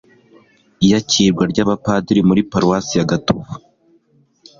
iyakirwa ry'abapadiri muri paruwasi ya gatovu